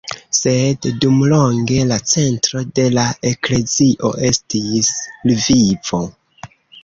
Sed dumlonge la centro de la eklezio estis Lvivo.